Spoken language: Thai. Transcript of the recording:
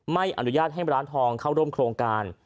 ไม่อนุญาตให้ร้านทองเข้าร่วมโครงการ